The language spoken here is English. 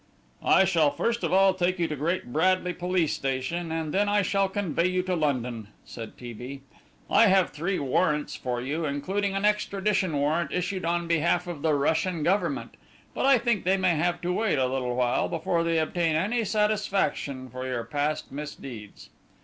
"I shall first of all take you to Great Bradley police station, and then I shall convey you to London," said T. B. "I have three warrants for you, including an extradition warrant issued on behalf of the Russian Government, but I think they may have to wait a little while before they obtain any satisfaction for your past misdeeds."